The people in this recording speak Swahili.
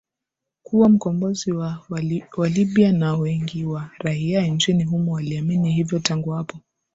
kuwa mkombozi wa Walibya na wengi wa raia nchini humo waliamini hivyo Tangu hapo